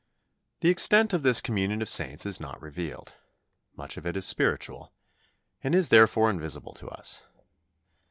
The extent of this Communion of the Saints is not revealed. Much of it is spiritual, and is therefore invisible to us.